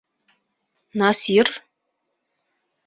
Насир...